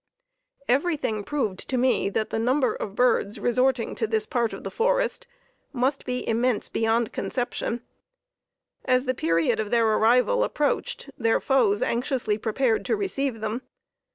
Everything proved to me that the number of birds resorting to this part of the forest must be immense beyond conception. As the period of their arrival approached, their foes anxiously prepared to receive them.